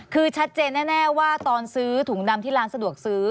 คือชัดเจนแน่ว่าตอนซื้อถุงดำที่ร้านสะดวกซื้อ